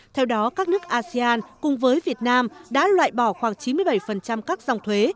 theo đó các nước asean cùng với việt nam đã loại bỏ khoảng chín mươi bảy các dòng thuế